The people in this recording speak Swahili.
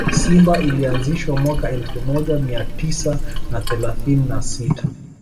Simba ilianzishwa mwaka elfu moja mia tisa na thelathini na sita